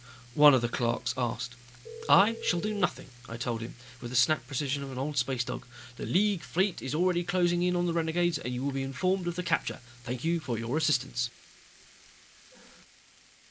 one of the clerks asked. "I shall do nothing," I told him, with the snapped precision of an old space dog. "The League fleet is already closing in on the renegades and you will be informed of the capture. Thank you for your assistance."